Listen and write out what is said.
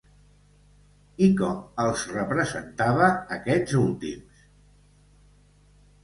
I com els representava aquests últims?